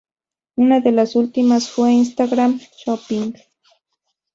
Una de las últimas fue Instagram Shopping.